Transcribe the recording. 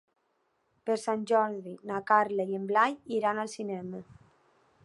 Per Sant Jordi na Carla i en Blai iran al cinema.